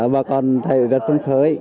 và còn thẻ vật phân khới